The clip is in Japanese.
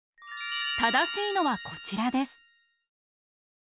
ただしいのはこちらです。